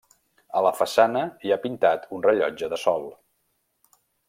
A la façana hi ha pintat un rellotge de sol.